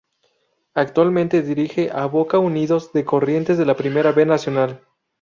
Actualmente dirige a Boca Unidos de Corrientes de la Primera B Nacional